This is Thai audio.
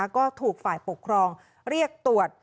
ก็ถูกฝ่ายปกครองเรียกตรวจ